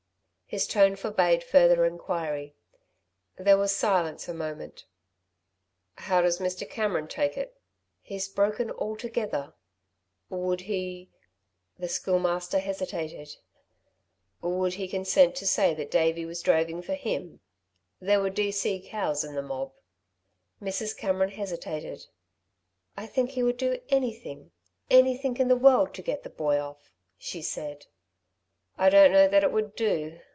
His tone forbade further inquiry. There was silence a moment. "How does Mr. Cameron take it?" "He's broken altogether." "Would he" the Schoolmaster hesitated "would he consent to say that Davey was droving for him. There were D.C. cows in the mob." Mrs. Cameron hesitated. "I think he would do anything anything in the world to get the boy off," she said. "I don't know that it would do